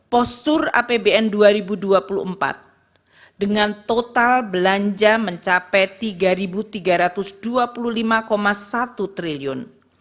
postur apbn dua ribu dua puluh empat dengan total belanja mencapai rp tiga tiga ratus dua puluh lima satu triliun